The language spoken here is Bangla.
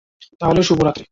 তাহলে শুভ রাত্রি।